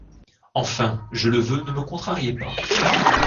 Enfin, je le veux, ne me contrariez pas.